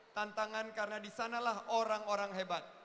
tantangan karena disanalah orang orang hebat